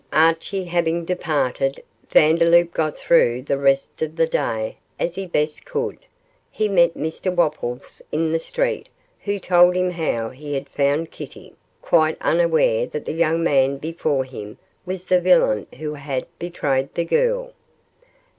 Archie having departed, Vandeloup got through the rest of the day as he best could. He met Mr Wopples in the street, who told him how he had found Kitty, quite unaware that the young man before him was the villain who had betrayed the girl.